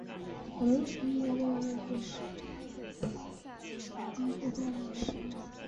雪邦的名称来源为当地一种常见的树木即雪邦树。